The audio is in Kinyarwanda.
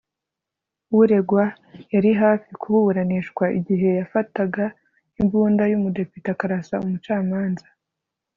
Uregwa yari hafi kuburanishwa igihe yafataga imbunda yumudepite akarasa umucamanza